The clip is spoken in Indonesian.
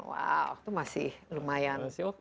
wow itu masih lumayan